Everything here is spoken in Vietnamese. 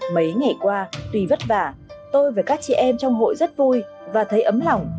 mấy ngày qua tùy vất vả tôi và các chị em trong hội rất vui và thấy ấm lòng